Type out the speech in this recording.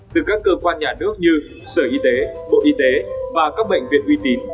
từ các cơ quan nhà nước như sở y tế bộ y tế và các bệnh viện uy tín